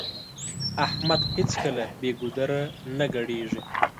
احمد هيڅکله بې ګودره نه ګډېږي.